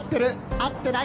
あってない？